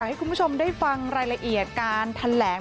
ให้คุณผู้ชมได้ฟังรายละเอียดการแถลง